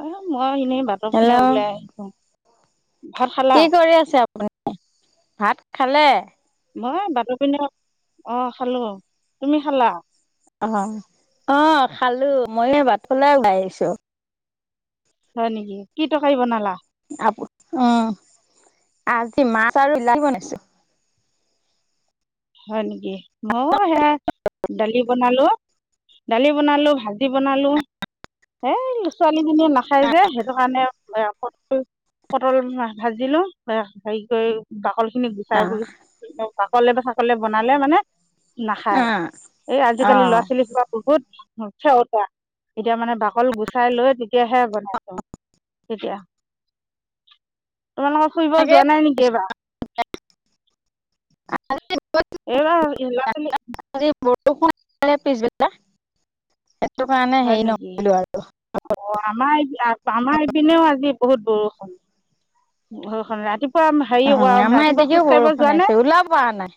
অহ মই এনেই বাতৰ হেল্ল' পিনে ওলাই আহিলোঁ। কি কৰি আছে আপুনি? ভাত খালে? মই বাতৰ পিনে, অ খালোঁ, তুমি খালা? অ অ খালোঁ, মইয়ে বাটলে ওলাই আহিছোঁ। হয় নেকি? কি টৰকাৰী বনালা? আপ উম, আজি মাছ আৰু বিলাহী বনাইছোঁ। হয় নেকি? মই সেয়া দালি বনালোঁ। দালি বনালোঁ, ভাজি বনালঁ, সেই লচ ছোৱালীজনীয়ে নাখাই যে সেইটো কাৰণে পটল ভাজিলো‍ঁ হেৰি কৰি বাকল খিনি গুচাই অ' কৰিছোঁ। বাকলে বা চাকলে বনালে মানে নাখায়, অ', এই আজিকালি ল'ৰা অ'। ছোৱালী সব বহুত [unintelligible] এতিয়া মানে বাকল গুচাই লৈ তেতিয়াহে বনাইছোঁ। তেতিয়া, তোমালোকৰ ফুৰিব তাকে যোৱা নাই নেকি এবাৰ? [unintelligible] এই হে ল'ৰা ছোৱালী আজি বৰষুণে দিলে পিছবেলা, সেইটো কাৰণে হেৰি নকৰিলো আৰু। অ আমাৰ আমাৰ ইপিনেও আজি বহুত বৰষুণ। বৰষুণ ৰাতিপ উ আমাৰ এইদিগিও বৰষুণ যোৱানে আহিছে ওলাব পৰা নাই,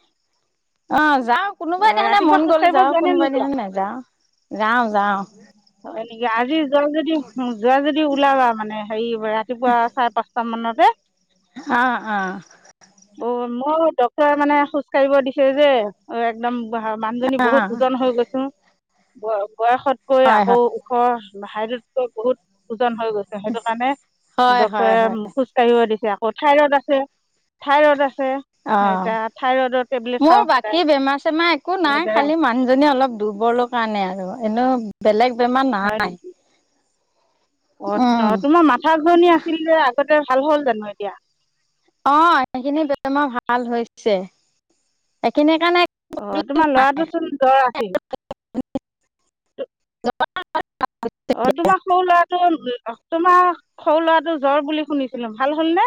অ যাওঁ। কোনোবাই অঁ দিনাখনে ৰাতিপুৱা মন গ'লে খোজকাঢ়িব যাওঁ, যোৱানে কোনোবাই নোযোৱা দিনাখন নাযাওঁ যাওঁ যাওঁ। হয় নেকি? আজি যোৱা যদি যোৱা যদি ওলাবা মানে হেৰি ৰাতিপুৱা চাৰে পাঁচটা মানতে। অঁ অঁ। অ মই ডক্টৰে মানে খোজ কাঢ়িব দিছে যে ঐ একদম মানুহজনী বহুত অ ওজন হৈ গৈছোঁ ব বয়সতকৈ হয় ওখ হাইটতকৈ বহুত ওজন হৈ গৈছে, সেইটো কাৰণে হয় ডক্টৰে হয় হয় খোজ কঢ়িব দিছে আক ঠাই ৰড আছে, ঠাই ৰড আছে। অ এতিয়া থাইৰইডৰ টেবলেট মোৰ খাওঁ সদায় বাকী বেমাৰ-চেমাৰ একো নাই, খালি মানুহজনী অলপ দুৰ্বল ল কাৰণে আৰু এনেও বেলেগ বেমাৰ নাই। অত উম নত তোমাৰ মাথা ঘূৰি আছিল যে আগতে, ভাল হ'ল জানো এতিয়া? অ সেইখিনি বেমাৰ ভাল হৈছে। এইখিনি কাণেক অ তোমাৰ ল'ৰাটো জ্বৰ চোন আছিল? [unintelligible] অ তোমাৰ সৰু ল'ৰাটো, তোমাৰ সৰু ল'ৰাটো জ্বৰ বুলি শুনিছিলো। ভাল হ'ল নে?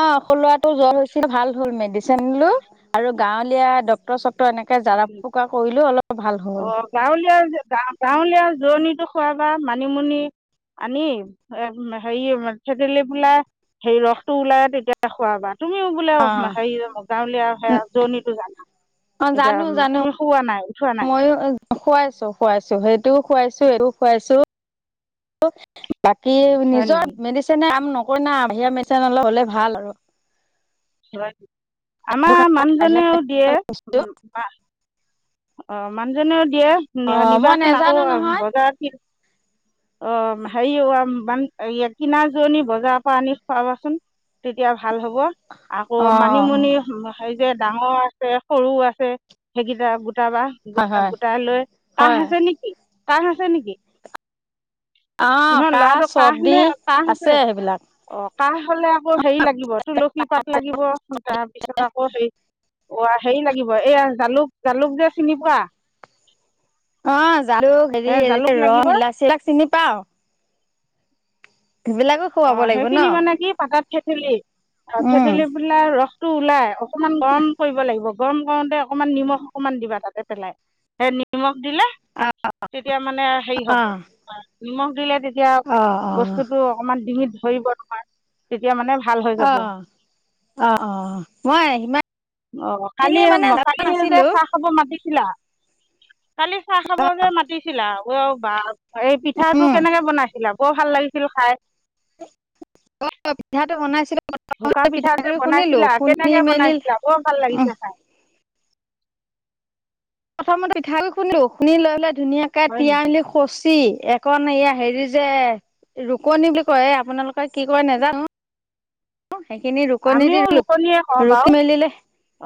অ সৰু ল'ৰাটো জ্বৰ হৈছিল ভাল হ'ল, মেদিচেন লো আৰু গাওঁলীৱা ডক চকতৰ এনেকে জৰা-ফুকা কৰিলো অলপ ভাল অ হ'ল। গাঁৱলীয়া, গাঁৱলীয়া জৰণিটো খোৱাবা, মানিমুনি। আনি, হেৰি থেঠেলি পালেই সেই ৰসটো ওলাই, তেতিয়া খোৱাবা তুমিও বোলে, অ হেৰি গাঁৱলীয়া সেইয়া জৰণটো জানা। অ এতিয়া জানো, উম, জানো তুমি খোৱা নাই উঠোৱা নাই মইয়ো খোৱাইছো, খোৱাইছো সেইটোও খোৱাইছো, এইটোও খোৱাইছো। বাকী হয় নিজৰ নেকি মেডিচিনে কাম নকৰি না? হে, মেডিচিনে হ'লে ভাল আৰু। সেইটো আমাৰ কাৰণে বাহিৰা মানুহজনেও দিয়ে, অ বা। অ মানুহজনেও দিয়ে অ' মই নিবাচোন আকৌ নেজানো নহয়। বজাৰত কি অ হেৰিয়ম বান ইয়াত কিনা আজোওনি বজাৰৰ পৰা আনি খুৱাবাচোন। তেতিয়া, ভাল হ'ব। আকৌ অ' মানিমুনি, সেই যে ডাঙৰ আছে, সৰু আছে, সেইকেইটা গোটাবা। হয় গোটটা হয়। গোটাই লৈ, কাহ হয় আছে হয় নেকি? কাহ আছে নেকি? অ' নহয়, ল'ৰাটো কাহ নে চৰ্দি কাহ আছে ছে? সেইবিলাক। অ কাহ হ'লে আক হেৰি লাগ গিব, তুলসী পাত লাগিব, তাৰপিছত আকৌ সেই অৱা হেৰি লাগিব, এইয়া জালুক, জালুক যে চিনি পোৱা? অ জালুক হেৰি, এ জালুক এনেকে লাগিব লং ইলাচী, এইবিলাক চিনি পাওঁ। সেইবিলাকো অ খুৱাব লাগিব ন। সেইখিনি মানে কি পাতত থেঠেলি, উম থেঠেলি ফিলাই ৰসটো ওলাই, অকণমান গৰম কৰিব লাগিব। গৰম কৰোঁতে অকণমান নিমখ অকণমান দিবা তাতে পেলাই। সে, নিমখ দিলে। অ' তেতিয়া মানে হেৰি, হ'ব অ' নিমখ দিলে, তেতিয়া অ' বস্তুটো অকণমান ডিঙিত ধৰিব তোমাৰ, তেতিয়া মানে ভাল হৈ যাব। অ' অ' অ' মই সিমান অ কালি খিনি মানে হেব, জনা কালি হে যে নাছিলো চাহ। খাব মাতিছিলা, কালি চাহ খাব যে মাতিছিলা অ বাব এই পিঠাটো উম কেনেকে বনাইছিলা বৰ ভাল লাগিছিল খাই। অ পিঠাটো বনাইছিলে ঢোকা প্ৰথমতে পিঠা যে পিঠাগুৰি খুন্দিলো, বনাইছিলা খুন্দি কেনেকৈ মেলি বনাইছিলা বৰ ভাল লাগিছে খাই প্ৰথমতে পিঠাগুড়ি খুন্দিলো খুন্দি লৈ পেলাই ধুনীয়াকছ হয় তিয়াই নেকি মেলি কচি একন, এইয়া হেৰি যে ৰুকনি বুলি কয়, আপোনালোকে কি কয় নে জানো? সেইখিনি ৰুকনি দি আমিও ৰুকনিয়ে কওঁ বাৰু ৰুকি মেলিলে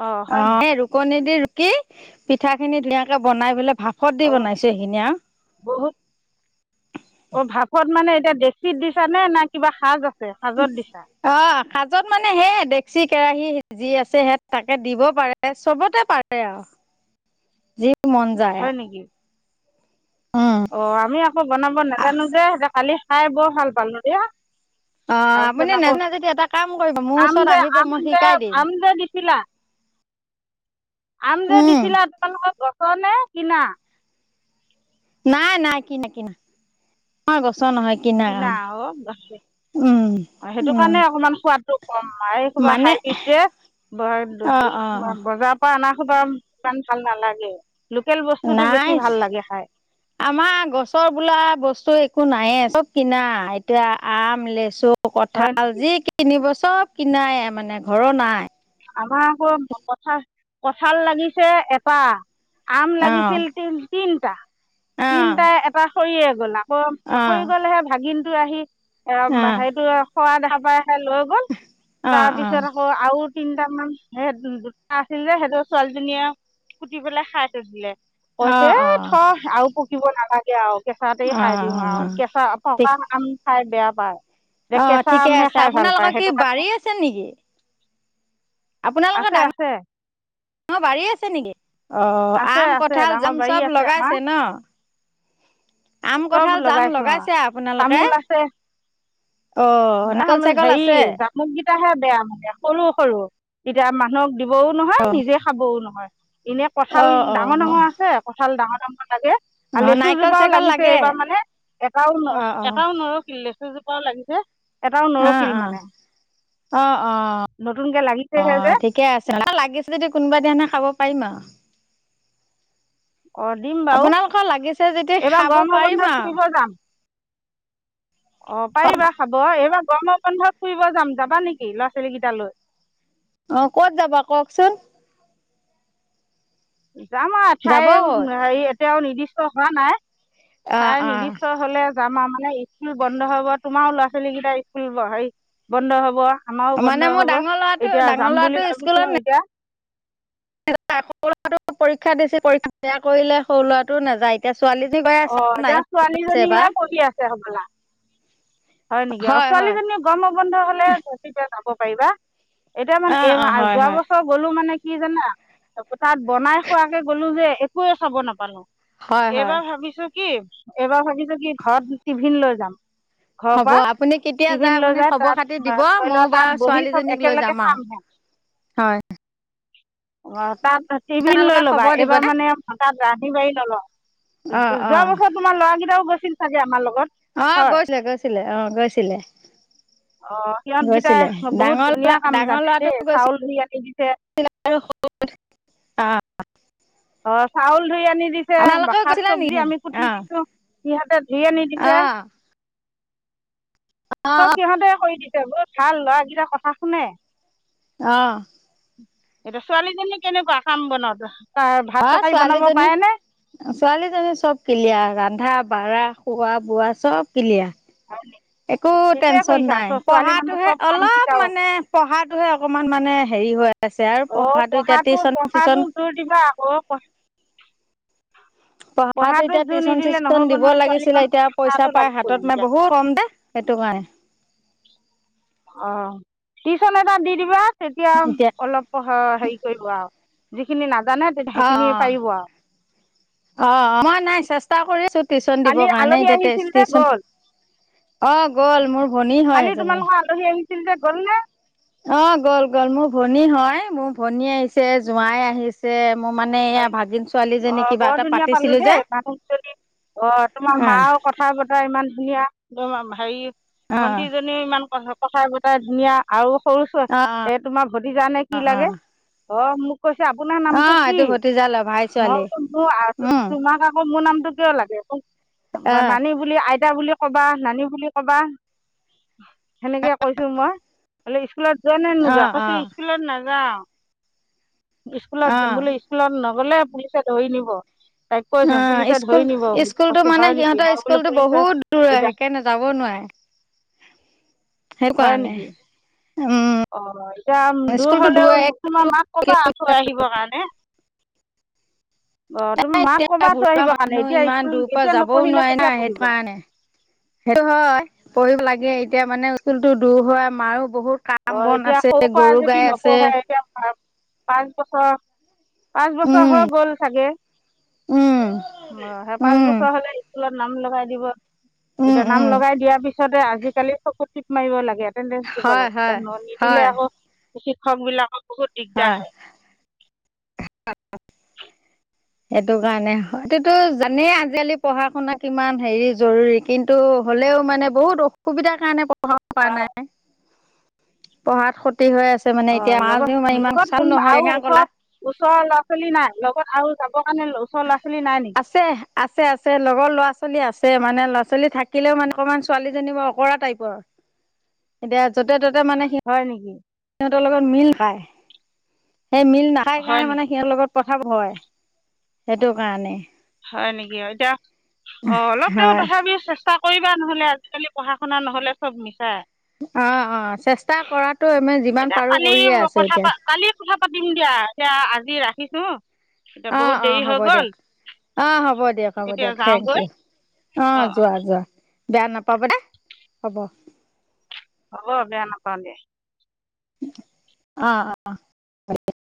অঁ হয় নি ৰুকনি দি কি, পিঠাখিনি ধুনাকে বনাই পেলাই, ভাপত দি অঁ বনাইছো সেইখিনি আ বহুত অ ভাপত মানে এতিয়া দেশীত দিছা নে না কিবা সাজ আছ সাজত দিছা? অ কাজত মানে, সেই ডেকচি, কেৰাহী যি আছে, সেই তাকে দিব পাৰ চবতে পাৰে আৰু যি মন যায় হয় আৰু উম অ, আমি আকৌ বনাব অ নাজানো যে, কালি খাই বৰ ভাল পালো দিয়া। তাৰপিছত আপুনি আকৌ নাজানে যদি এটা কাম কৰিব মোৰ আম ওচৰত যে, আহিব আম মই যে শিকাই দিম আম যে দিছিলা। আম যে উম দিছিলা, তোমালোকৰ গছৰ নে কিনা? নাই নাই কিনা কিনা, আমাৰ গছৰ নহয়। কিনা অ উম সেইটো উম কাৰণে অকমান সোৱাদটো কম এই কিবা মানে হাইব্ৰীড অ অ যে বজাৰ পৰা আনা হোপা ইমান ভাল নালাগে, লোকেল বস্তুটো নাই বেছি ভাল লাগে খাই। আমাৰ গছৰ বোলা বস্তু একো নায়ে চব কিনা এতিয়া আম, লেচু, হয় কঁঠাল নেকি? যি কিনিব চব কিনায় মানে ঘৰৰ নাই। আমাৰ আকৌ কঁঠাল কঁঠাল লাগিছে এটা। আম অ লাগিছিল তি তিনটা অ তিনটা এটা সৰিয়ে গল কৰ অ পৰিগল হে ভাগিনটো আহি এ অ সেইটো সৰা দেখা পাই হে লৈ গ'ল অ অ তাৰপিছত আকৌ আৰু তিনটামান হে দুটা আছিল যে সেইটো ছোৱালীজনীয়ে কুতি পেলাই খাই থৈ দিলে। অ অ কৈছে এ অ থ আৰু পকিব নালাগে আৰু কেঁচাতেই খাই দিওঁ অ আৰু কেঁচা পকা ঠিক আম খাই বেয়া পায়। যে অ কেঁচা ঠিকে আমহে আছে, খাই ভাল পায় আপোনালোকৰ কি সেইটো কাৰণে বাৰী আছে নেকি? আপোনালোকৰ আছে আছে ডাঙৰ বাৰী আছে নেকি? অ আছে আম আছে কঁঠাল ডাঙৰ জাম বাৰী চব আছে আমাৰ লগাইছে ন? আম চব কঁঠাল জাম লগাইছো অঁ লগাইছে আপোনালোকে তামোল আছে অ নাৰিকল আমাৰ চাৰিকল হেৰি আছে জা মুককেইটাহে বেয়া মানে সৰু সৰু এতিয়া মানুহক দিবও নহয় নিজে খাবও নহয়। এনে অ কঁঠাল অ ডাঙৰ অ ডাঙৰ আছে কঁঠাল ডাঙৰ ডাঙৰ লাগে। আৰু অ নাৰিকল লেচুজোপাও চাৰিকল লাগিছে লাগে এইবাৰ মানে এটাও ন অ অ এটাও নৰ কি লেচুজোপাও লাগিছে এটাও অ নৰখিল মানে অ অ অ নতুনকে অ লাগিছেহে যে। ঠিকে আছে, লাগিছে যদি কোনোবা দিনা খাব পাৰিম আৰু। অ দিম বাৰু আপোনালোকৰ লাগিছে যদি এইবাৰ খাব গৰমৰ পাৰিম বন্ধত আৰু ফুৰিব যাম। অ পাৰিবা খাব। এইবাৰ গৰমৰ বন্ধত ফুৰিব যাম যাবা নেকি ল'ৰা ছোৱালী কেইটালৈ? অ ক'ত যাবা কওকচোন? যাম আৰু ঠাই যাব ক'ত হেৰি এতিয়াও নিৰ্দিষ্ট হোৱা নাই। অ ঠাই অ নিৰ্দিষ্ট হলে যাম আৰু মানে স্কুল বন্ধ হব তোমাৰো ল'ৰা ছোৱালী কেইটাৰ স্কুল হেৰি বন্ধ হব। আমাৰও মানে বন্ধ মোৰ হব ডাঙৰ ল'ৰাটো এতিয়া ডাঙৰ যাম ল'ৰাটো বুলি স্কুলত ভাবিছো এতিয়া [unintelligible] পৰীক্ষা দিছে পৰীক্ষা বেয়া কৰিলে সৰু লোৱাটো নাযায় এতিয়া অঁ ছোৱালীজনী এতিয়া নাইনত পঢ়িছে এইবাৰ। ছোৱালীজনীহে পঢ়ি আছে হ'বলা হয় নেকি, অ ছোৱালীজনীয়ে গৰমৰ বন্ধ হলে তেতিয়া যাব পাৰিবা। এতিয়া মানে অ এই অ মাহ হয় যোৱা হয় বছৰ গলো মানে কি জানা তাত বনাই খোৱাকে গ'লো যে একোৱে চাব নাপালো। হয় হয় এইবাৰ ভাবিছো কি এইবাৰ ভাবিছো কি ঘৰত টিফিন লৈ যাম। ঘৰৰ হ'ব পৰা আপুনি কেতিয়া টিফিন যায় লৈ আপুনি খবৰ তাত খাতি দিব। ধৰি ম‌ইও লওক তাত বাৰু বহি চব ছোৱালীজনীক লৈ একেলগে যাম আৰু। খামহে হয়। অ তাত টিভিন লৈ আপোনালোকে লবা খবৰ দিব এবাৰ দে মানে তাত ৰান্ধি বাঢ়ি নল‌ও অ অ যোৱা বছৰ তোমাৰ ল'ৰাকেইটাও গৈছিল চাগে আমাৰ লগত। অ', হয় গৈছিলে গৈছিলে অ', গৈছিলে। অ', সিহঁতকেইটাই গৈছিলে বহুত ডাঙৰ ধুনীয়া ল'ৰা কাম ডাঙৰ জানে ল'ৰাটো দেই চাউল গৈছিলে ধুই আনি দিছে। [unintelligible] অ'। অ', চাউল ধুই আনি দিছে বা আপোনালোকেও শাক গৈছিলে নি চব্জি সিহঁতে আমি কুটি অ দিছো। সিহঁতে ধুই আনি অ দিছে। অ চব সিহঁতে কৰি দিছে বহুত ভাল ল'ৰা কেইটা কথা শুনে। অ'। এতিয়া ছোৱালীজনী কেনেকুৱা কাম বনত তাই অ ভাত তৰকাৰি বনাব ছোৱালীজনী পাৰে নে? ছোৱালীজনী চব কিলিয়াৰ ৰন্ধা বঢ়া খোৱা বোৱা চব কিলিয়াৰ। [unintelligible] একো ঠিকে টেনশ্যন কৰিছা নাই, ছোৱালী মানুহ পঢ়াটোহে চব কাম অলপ শিকাব মানে পঢ়াটোহে অকনমান মানে হেৰি হৈ আছে আৰু পঢ়াটো এতিয়া টিউশন চিচন কিবা আকৌ ক পঢ়াটো এতিয়া টিউশন চিউশন দিব নহয় ছোৱালী লাগিছিলে এতিয়া মানুহ পইচা পঢ়াটো পাই হাতত লাগিবই মান এতিয়া বহুত কম দে। সেইটো কাৰণে। অ', টিউশন এটা দি দিবা তেতিয়া এতিয়া অলপ পঢ়া হেৰি কৰিব আৰু যিখিনি নাজানে তেতিয়া অ', সেইখিনি পাৰিব আৰু অ', অ', মই নাই চেষ চেষ্টা কৰিছো টিউশন কালি দিবৰ কাৰণে আলহী এতিয়া আহিছিল টেশ যে টিউশন গ'ল অ', গ'ল মোৰ ভনী হয় এজনী। এই সেই আহিছিল যে গ'ল নে? অ', গ'ল গ'ল মোৰ ভনী হয়, মোৰ ভনী আহিছে, জোৱাই আহিছ যে মোৰ মানে এয়া হয় ভাগিন ছোৱালীজনী অঁ কিবা এটা পাতিছিলো যে। অ', তোমাৰ অ মাও কথা বতৰা ইমান ধুনীয়া হেৰি অ ভন্টি জন নীও ইমান ক কথাই বতাই ধুনীয়া আৰু সৰু অ ছোৱালী তোমাৰ ভতিজা নে কি অ অ অ লাগে। অ', মোক কৈছে আপোনাৰ অ নামটো কি? এইটো ভতিজা লভাই মই ছোৱালী কৈছোঁ আগত উম চুমা খায়। মোৰ নামটো কিয় লাগে মোক মই আহ নানী বুলি আইতা বুলি ক'বা, নানী বুলি ক'বা, সেনেকে কৈছো মই। বোলে স্কুলত যোৱা নে অ নোযোৱা অ কৈছে স্কুলত নাযাওঁ। স্কুলত অ যাম বুলি স্কুলত নগ'লে পুলিচ ধৰি নিব। তাইক কৈছো অ পুলিচে ধৰি স্কুল নিব স্কুলতো কৈছে মানে হয় নেকি সিহঁতৰ মই বোলো স্কুলতো পুলিচে বহুত দূৰ এতিয়া সেইকাৰে নে যাবওঁ নোৱাৰে। শেষ হোৱা নাই। অ', এতিয়া দূৰ হ'লেও তোমাৰ মাক ক'বা থৈ আহিবৰ কাৰণে। অঁ [inaudible] তুমি এই মাক এতিয়া ক'বা থৈ বুঢ়ৱা আহিবৰ কাৰণে মানুহ এতিয়া ইমান স্কুল দূৰ পৰা এতিয়া যাবওঁ নপঢ়িলে নোৱাৰে না কেতিয়া পঢ়িব সেইটো কাৰণে। সেইটো হয়, পঢ়িব লাগে এতিয়া মানে স্কুলটো দূৰ হয় মাৰো বহুত কাম অ', বন এতিয়া আছে সৰুৰ পৰা গৰু যদি গাই আছে নপঢ়ে এতিয়া পাঁচ বছৰ পাঁচ বছৰ উম হৈ গ'ল চাগে উম অ', সেই পাঁচ উম বছৰ হ'লে স্কুলত নাম লগাই দিব, উম এতিয়া নাম উম লগাই দিয়াৰ পিছতে আজিকালি চকু টিপ মাৰিব লাগে। এটেন্ডেঞ্চ দিব হয় লাগে হয় ন', নিদিলে হয় আকৌ শিক্ষক বিলাকৰ বহুত দিগদাৰ হয়। [unintelligible] সেইটো কাৰণে এইটোতো জানেই আজিকালি পঢ়া-শুনা কিমান হেৰি জৰুৰী। কিন্তু হ'লেও মানে বহুত অসুবিধাৰ কাৰণে পঢ়া হোৱা নাই পঢ়াত ক্ষতি হৈ আছে। ত মানে অঁ এতিয়া লগত মাজেও মানে ইমান লগত চাল কোনোবা নহয় আৰু টেঙা কলা। ওচৰত ওচৰৰ ল'ৰা ছোৱালী নাই লগত আৰু যাবৰ কাৰণে ওচৰ ল'ৰা ছোৱালী নাই নেকি? আছে আছে আছে লগৰ ল'ৰা ছোৱালী আছে মানে ল'ৰা ছোৱালী থাকিলেও মানে অকণমান ছোৱালীজনী বা অঁকৰা টাইপৰ। এতিয়া য'তে ত'তে মানে সি। হয় নেকি? সিহঁতৰ লগত মিল খায়। সেই মিল নাখাই হয় কাৰণে মানে নেকি সিহঁৰ লগত কতাত হয় সেইটো কাৰণে। হয় নেকি অ এতিয়া অ অলপ তেওঁ হয় তথাপিও চেষ্টা। কৰিবা নহ'লে আজিকালি পঢ়া শুনা নহ'লে চব মিছাই। অ অ চেষ্টা কৰাটো আমি যিমান এতিয়া পাৰো কালি কৰিয়ে আছো কথা এতিয়া। পা কালি কথা পাতিম দিয়া দিয়া আজি ৰাখিছো হুম। অ অ হ'ব দিয়ক অ হ'ব। দিয়ক হ'ব এতিয়া দিয়ক থেংক যাওঁগৈ ইউ অঁ অ' যোৱা যোৱা বেয়া নাপাব দা হ'ব। হ'ব বেয়া নাপাওঁ আমি। অ অ ভালেই।